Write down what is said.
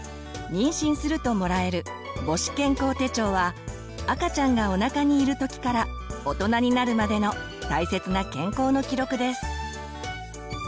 妊娠するともらえる母子健康手帳は赤ちゃんがおなかにいる時から大人になるまでの大切な健康の記録です。